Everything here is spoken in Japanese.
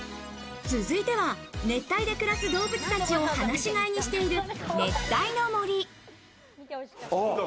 続いては熱帯で暮らす動物たちを放し飼いにしている熱帯の森。